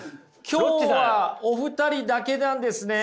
今日はお二人だけなんですね。